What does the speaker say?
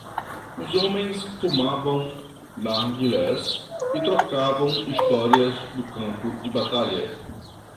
Os homens fumavam narguilés e trocavam histórias do campo de batalha.